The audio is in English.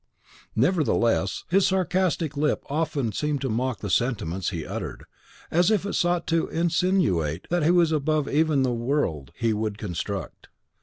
Nevertheless, his sarcastic lip often seemed to mock the sentiments he uttered, as if it sought to insinuate that he was above even the world he would construct.